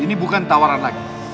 ini bukan tawaran lagi